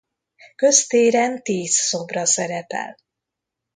Köztéren tíz szobra szerepel.